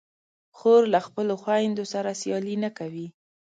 خور له خپلو خویندو سره سیالي نه کوي.